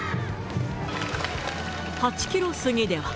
８キロ過ぎでは。